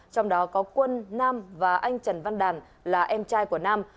trong đó có quân nam và anh trần văn đàn là em trai của nam